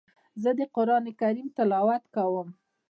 زه د قرآن کريم تلاوت کوم.